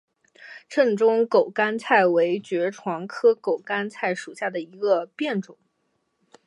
滇中狗肝菜为爵床科狗肝菜属下的一个变种。